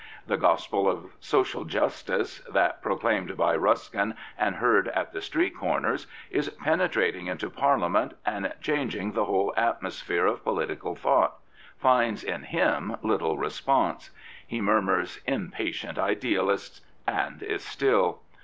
The gospel of social justice, that, proclaimed by Ruskin and heard at the street comers, is penetrating into Parliament and changing the whole atmosphere of political thought, finds in him little response. He murmurs Impatient idealists,'' and is still.